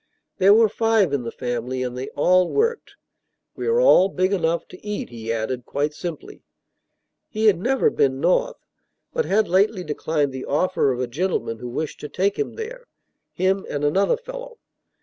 There were five in the family, and they all worked. "We are all big enough to eat," he added, quite simply. He had never been North, but had lately declined the offer of a gentleman who wished to take him there, him and "another fellow."